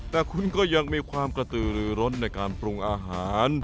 แต่คุณก็ยังมีความกระตือหรือร้นในการปรุงอาหาร